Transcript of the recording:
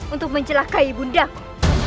untuk mencelakai bundaku